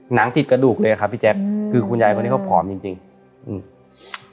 หนังติดกระดูกเลยอะครับพี่แจ๊คคือคุณยายคนนี้เขาผอมจริงจริงอืม